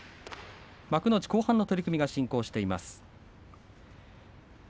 幕内後半の取組が進行しています。